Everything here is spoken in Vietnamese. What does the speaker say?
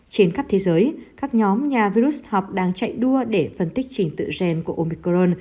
trên khắp thế giới các nhóm nhà virus học đang chạy đua để phân tích trình tự gen của omicron